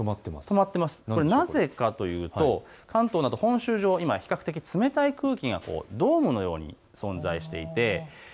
なぜかというと関東など本州上、比較的冷たい空気がドームのように存在しています。